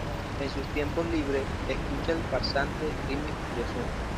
En sus tiempos libres escucha El Farsante Remix de Ozuna